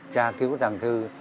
cha cứu tảng thư